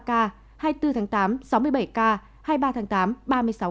hai mươi bốn tháng tám là sáu mươi bảy ca hai mươi ba tháng tám là ba mươi sáu ca